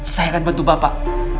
saya akan bantu bapak